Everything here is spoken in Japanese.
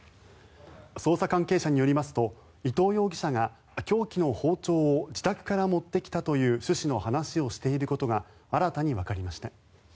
捜査関係者によりますと伊藤容疑者が凶器の包丁を自宅から持ってきたという趣旨の話をしていることが新たにわかりました。